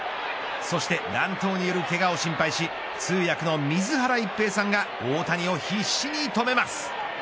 そして乱闘によりけがを心配し通訳の水原一平さんが大谷を必死に止めます。